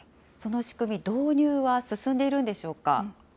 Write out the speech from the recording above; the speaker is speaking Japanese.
その仕組み、導入は進んでいるんでしょうか。